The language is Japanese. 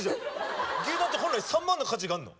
牛丼って本来３万の価値があんの。